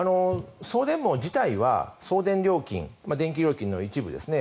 送電網自体は送電料金、電気料金の一部ですね